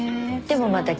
でもまた。